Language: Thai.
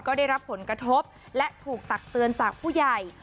ก็ได้รับผลกระทบและถูกตักเตือนจากผู้ใหญ่